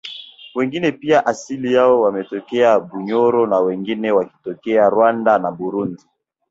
wengine pia asili yao wametokea Bunyoro na wengine wakitokea Rwanda na Burundi